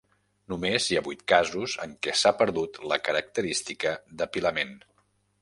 Només hi ha vuit casos en què s'ha perdut la característica d'apilament.